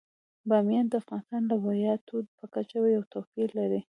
بامیان د افغانستان د ولایاتو په کچه یو توپیر لري.